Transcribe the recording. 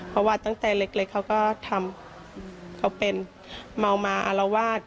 เพราะว่าตั้งแต่เล็กเขาก็ทำเขาเป็นเมามาอารวาส